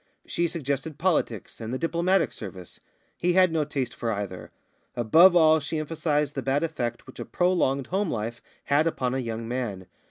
She suggested politics and the Diplomatic Service; he had no taste for either. Above all, she emphasised the bad effect which a prolonged homelife had upon a young man.